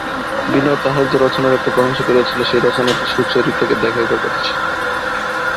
বিনয় তাহার যে রচনার এত প্রশংসা করিয়াছিল সেই রচনাটা সুচরিতাকে দেখাইবার কথা ছিল।